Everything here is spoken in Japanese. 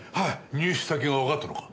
入手先がわかったのか？